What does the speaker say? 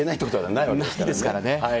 ないですからね。